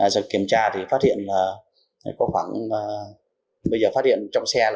sau kiểm tra thì phát hiện trong xe có bốn đối tượng và thu giữ khoảng bốn trăm linh g tí nhận đá